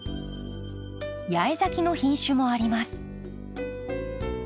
八重咲きの品種もあります。